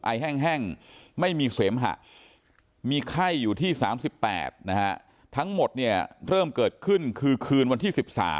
แห้งไม่มีเสมหะมีไข้อยู่ที่๓๘นะฮะทั้งหมดเนี่ยเริ่มเกิดขึ้นคือคืนวันที่๑๓